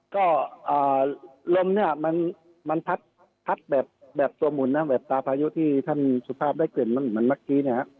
ก็ลมเนี่ยมันพัดแบบตัวหมุนนะแบบตาพายุที่ท่านสุภาพได้กลิ่นมันเหมือนเมื่อกี้เนี่ยฮะ